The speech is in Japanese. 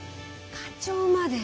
課長まで。